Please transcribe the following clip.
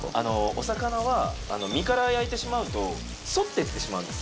お魚は身から焼いてしまうと反っていってしまうんです